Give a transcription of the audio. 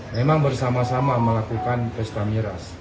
memang bersama sama melakukan pesta miras